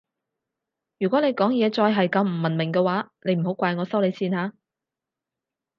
如果你講嘢再係咁唔文明嘅話你唔好怪我收你線吓